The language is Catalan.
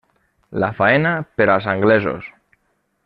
La faena, per als anglesos.